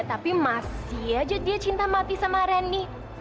tapi masih aja dia cinta mati sama reni